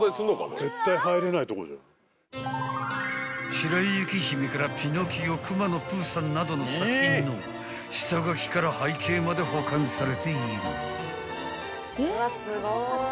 ［『白雪姫』から『ピノキオ』『くまのプーさん』などの作品の下描きから背景まで保管されている］